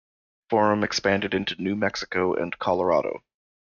Forum expanded into New Mexico and Colorado.